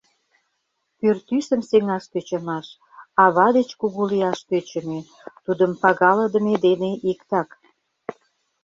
Пӱртӱсым сеҥаш тӧчымаш — ава деч кугу лияш тӧчымӧ, тудым пагалыдыме дене иктак.